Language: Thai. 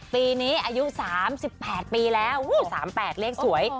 ปีนี้อายุ๓๘ปีแล้ว๓๘เลขสวย